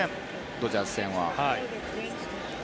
ドジャース戦は。